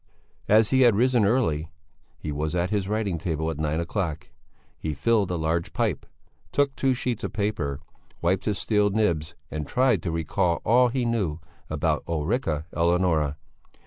As he had risen early he was at his writing table at nine o'clock. He filled a large pipe, took two sheets of paper, wiped his steel nibs and tried to recall all he knew about Ulrica Eleonora.